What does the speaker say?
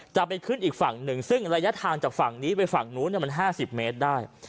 ไปขึ้นอีกฝั่งหนึ่งซึ่งระยะทางจากฝั่งนี้ไปฝั่งนู้นมัน๕๐เมตรได้